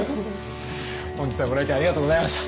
本日はご来店ありがとうございました。